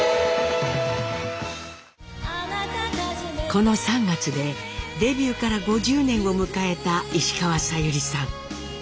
この３月でデビューから５０年を迎えた石川さゆりさん。